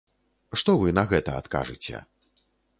Што вы на гэта адкажыце?